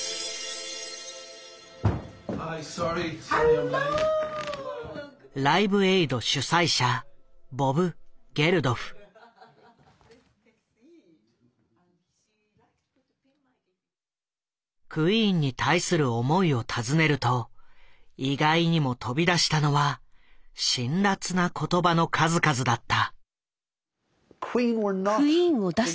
Ｉ’ｍｓｏｒｒｙ．クイーンに対する思いを尋ねると意外にも飛び出したのは辛辣な言葉の数々だった。